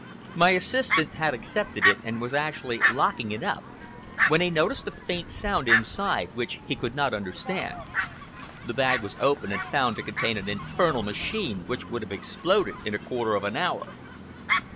My assistant had accepted it and was actually locking it up when he noticed a faint sound inside which he could not understand. The bag was opened and found to contain an infernal machine which would have exploded in a quarter of an hour."